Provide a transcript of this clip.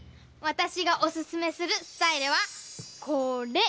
わたしがおすすめするスタイルはこれ。